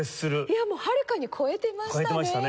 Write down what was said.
いやもうはるかに超えてましたね。